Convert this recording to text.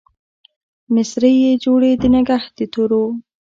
مسرۍ يې جوړې د نګهت د تورو